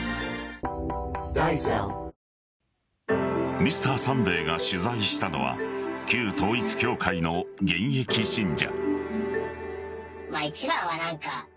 「Ｍｒ．サンデー」が取材したのは旧統一教会の現役信者。